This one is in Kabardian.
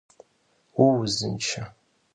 Vuuzınşşe?